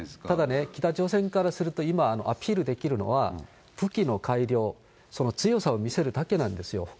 ただね、北朝鮮からすると、今、アピールできるのは、武器の改良、その強さを見せるだけなんですよ。